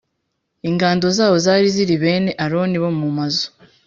ingando zabo zari ziri bene Aroni bo mu mazu